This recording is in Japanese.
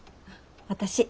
私。